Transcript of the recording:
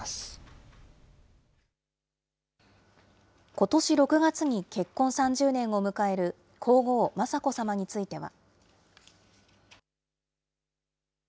ことし６月に結婚３０年を迎える皇后、雅子さまについては。